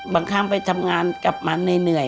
บางครั้งไปทำงานกลับมาเหนื่อย